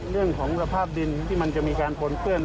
เรื่องของวิธีภาพดินที่มันจะมีการผลเกิ้ล